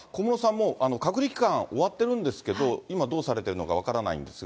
もう隔離期間終わってるんですけど、今、どうされてるのか分からないんですが。